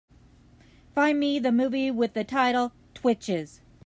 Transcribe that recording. Find me the movie with the title of Twitches